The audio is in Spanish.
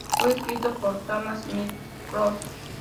Fue escrito por Tamás Miklós.